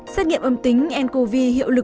xét nghiệm âm tính ncov hiệu lực bảy mươi hai